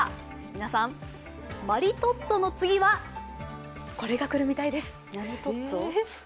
皆さん、マリトッツォの次はこれが来るみたいです。